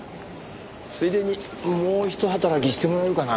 ついでにもうひと働きしてもらえるかな。